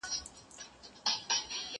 مېږه چي پمنه سي، هر عيب ئې په کونه سي.